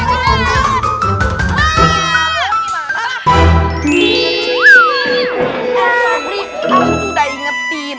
tuan sobri aku udah ingetin